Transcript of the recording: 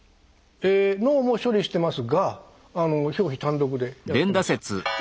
え脳も処理してますが表皮単独でやってます。